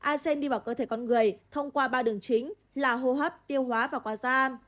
a sen đi vào cơ thể con người thông qua ba đường chính là hô hấp tiêu hóa và qua da